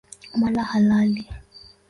Mola halali